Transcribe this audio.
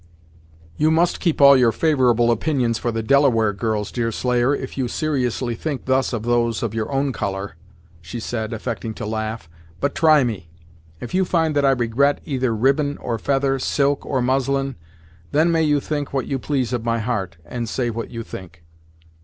"You must keep all your favorable opinions for the Delaware girls, Deerslayer, if you seriously think thus of those of your own colour," she said, affecting to laugh. "But try me; if you find that I regret either ribbon or feather, silk or muslin, then may you think what you please of my heart, and say what you think."